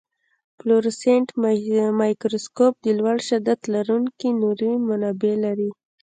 فلورسنټ مایکروسکوپ د لوړ شدت لرونکي نوري منبع لري.